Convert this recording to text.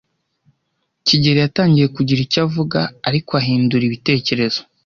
kigeli yatangiye kugira icyo avuga, ariko ahindura ibitekerezo.